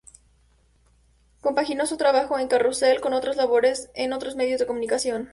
Compaginó su trabajo en "Carrusel" con otras labores en otros medios de comunicación.